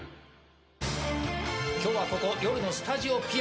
今日はここ、夜のスタジオピア